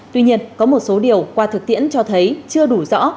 tuy nhiên có một số điều qua thực tiễn cho thấy chưa đủ rõ